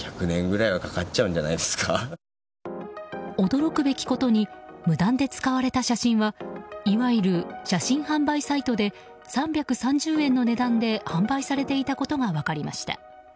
驚くべきことに無断で使われた写真はいわゆる写真販売サイトで３３０円の値段で販売されていたことが分かりました。